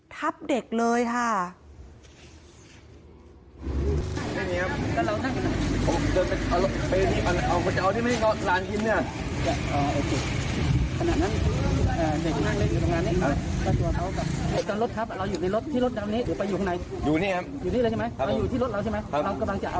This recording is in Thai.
ทับเด็กเลยค่ะ